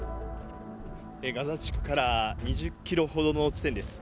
ガザ地区から２０キロほどの地点です。